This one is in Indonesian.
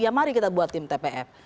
ya mari kita buat tim tpf